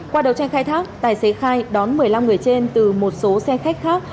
qua đầu tranh khai thác tài xế khai đón một mươi năm người trên từ một số xe khách khác